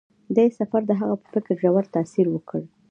دې سفر د هغه په فکر ژور تاثیر وکړ.